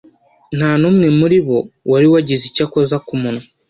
nta n'umwe muri bo wari wagize icyo akoza ku munwa